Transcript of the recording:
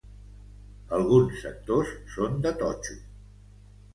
Alguns sectors són de totxo.